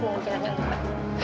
mengujarnya untuk mbak